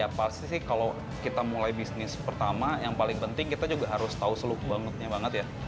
ya pasti sih kalau kita mulai bisnis pertama yang paling penting kita juga harus tahu seluk bangetnya banget ya